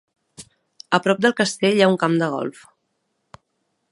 A prop del castell hi ha un camp de golf.